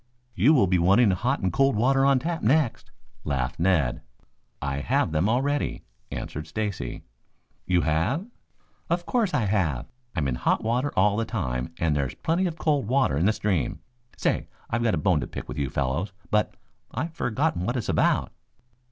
"You will be wanting hot and cold water on tap next," laughed Ned. "I have them already," answered Stacy. "You have?" "Of course I have. I'm in hot water all the time, and there's plenty of cold water in the stream. Say, I've got a bone to pick with you fellows, but I've forgotten what it's about."